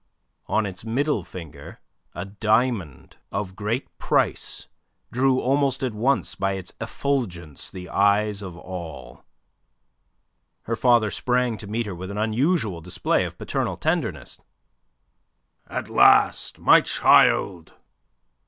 On its middle finger a diamond of great price drew almost at once by its effulgence the eyes of all. Her father sprang to meet her with an unusual display of paternal tenderness. "At last, my child!"